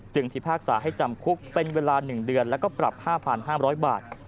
พิพากษาให้จำคุกเป็นเวลา๑เดือนแล้วก็ปรับ๕๕๐๐บาท